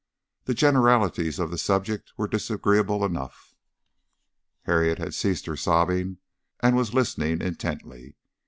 The generalities of the subject were disagreeable enough. Harriet had ceased her sobbing and was listening intently.